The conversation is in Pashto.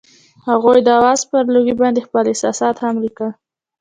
هغوی د اواز پر لرګي باندې خپل احساسات هم لیکل.